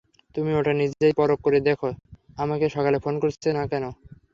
তুমি ওটা নিজেই পরখ করে দেখে আমাকে সকালে ফোন করছো না কেন?